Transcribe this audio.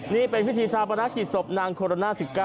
นี้เป็นพิธีทราบตราติสบนางโคโรน่า๑๙